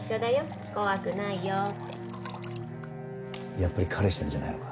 やっぱり彼氏なんじゃないのか？